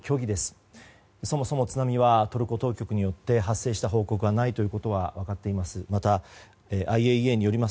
そもそも津波はトルコ当局によって発生した報告はないということが分かっています。